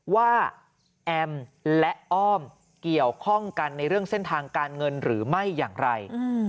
ว่าแอมและอ้อมเกี่ยวข้องกันในเรื่องเส้นทางการเงินหรือไม่อย่างไร